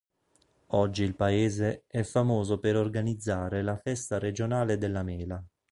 Oggi il paese è famoso per organizzare la Festa Regionale della Mela.